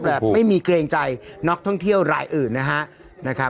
แบบไม่มีเกรงใจนักท่องเที่ยวรายอื่นนะครับ